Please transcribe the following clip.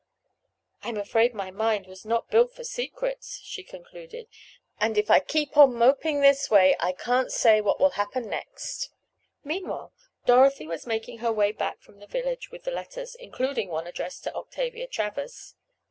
"I'm afraid my mind was not built for secrets," she concluded, "and if I keep on moping this way I can't say what will happen next." Meanwhile Dorothy was making her way back from the village with the letters including one addressed to Octavia Travers.